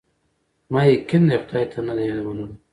زما یقین دی خدای ته نه دی د منلو